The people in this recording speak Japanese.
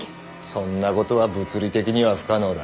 そんなことは物理的には不可能だ。